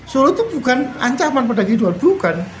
solo itu bukan ancaman pada kehidupan